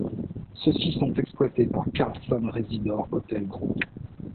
Ceux-ci sont exploités par Carlson Rezidor Hôtel Group.